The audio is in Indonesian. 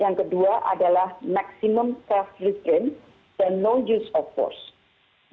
yang kedua adalah maksimum keamanan dan tidak menggunakan kekuasaan